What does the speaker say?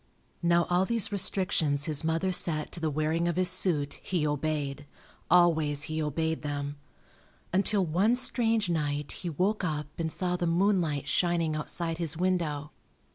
Now all these restrictions his mother set to the wearing of his suit he obeyed, always he obeyed them, until one strange night he woke up and saw the moonlight shining outside his window.